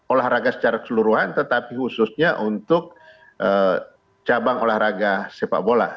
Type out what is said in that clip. olahraga secara keseluruhan tetapi khususnya untuk cabang olahraga sepak bola